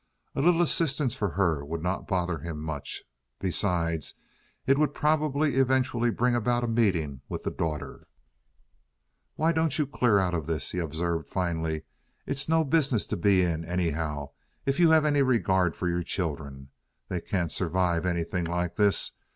A little assistance for her would not bother him much. Besides, it would probably eventually bring about a meeting with the daughter. "Why don't you clear out of this?" he observed, finally. "It's no business to be in, anyhow, if you have any regard for your children. They can't survive anything like this.